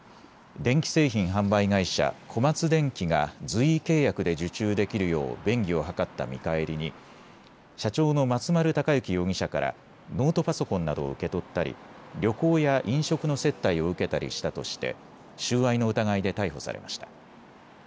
電気製品販売会社、小松電器が随意契約で受注できるよう便宜を図った見返りに社長の松丸隆行容疑者からノートパソコンなどを受け取ったり旅行や飲食の接待を受けたりしたとして収賄の疑いで逮捕されました。